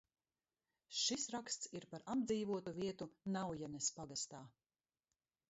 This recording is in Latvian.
Šis raksts ir par apdzīvotu vietu Naujenes pagastā.